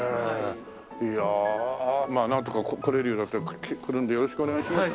いやなんとか来られるようになったら来るのでよろしくお願いします。